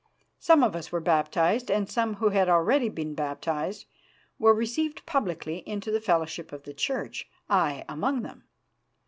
Some of us were baptised, and some who had already been baptised were received publicly into the fellowship of the Church, I among them.